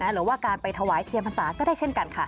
หรือว่าการไปถวายเทียนพรรษาก็ได้เช่นกันค่ะ